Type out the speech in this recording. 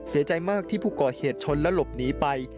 เสียใจมากที่ผู้ก่อเหตุชนและหลบหนีไป